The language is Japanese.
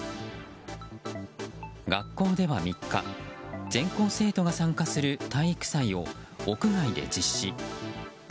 学校では、３日全校生徒が参加する体育祭を屋外で実施。